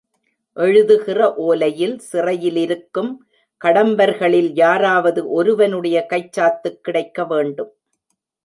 எழுதுகிற ஒலையில் சிறையிலிருக்கும் கடம்பர்களில் யாராவது ஒருவனுடைய கைச்சாத்துக் கிடைக்க வேண்டும்.